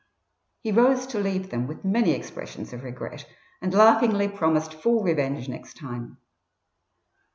He rose to leave them with many expressions of regret, and laughingly promised full revenge next time.